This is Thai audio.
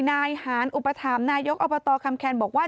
นายหานอุปถามนายกอบตคำแคนบอกว่า